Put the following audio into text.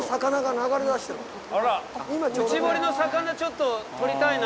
あら内堀の魚ちょっと捕りたいな。